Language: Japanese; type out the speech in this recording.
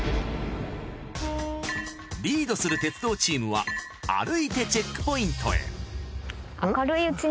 リードする鉄道チームは歩いてチェックポイントへ。